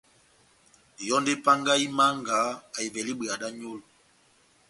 Yɔndi epangahi Manga ahivɛle ibweya da nyolo